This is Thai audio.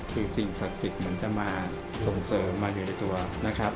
คือสิ่งศักดิ์สิทธิ์เหมือนจะมาส่งเสริมมาอยู่ในตัวนะครับ